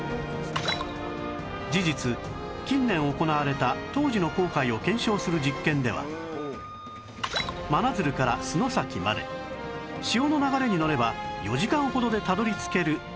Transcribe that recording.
事実近年行われた当時の航海を検証する実験では真鶴から洲崎まで潮の流れに乗れば４時間ほどでたどり着けるとの結果が